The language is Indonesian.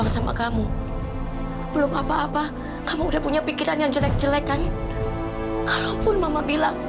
sampai jumpa di video selanjutnya